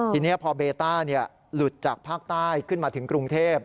ทีนี้พอเบต้าหลุดจากภาคใต้ขึ้นมาถึงกรุงเทพ